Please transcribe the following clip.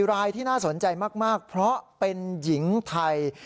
รายที่น่าสนใจมากเพราะเป็นหญิงไทย